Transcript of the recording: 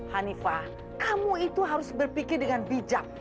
hanifah kamu itu harus berpikir dengan bijak